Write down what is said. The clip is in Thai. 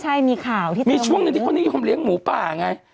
ใช่มีข่าวที่เฉียงมีช่วงที่คนนี้ยอมเลี้ยงหมูปากไง